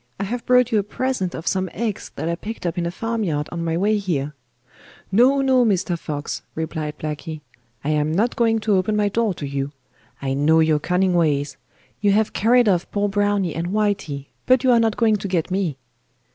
I have brought you a present of some eggs that I picked up in a farmyard on my way here.' 'No, no, Mister Fox,' replied Blacky, 'I am not going to open my door to you. I know your cunning ways. You have carried off poor Browny and Whitey, but you are not going to get me.